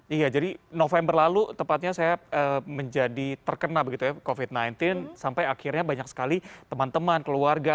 iya jadi november lalu tepatnya saya menjadi terkena covid sembilan belas sampai akhirnya banyak sekali teman teman keluarga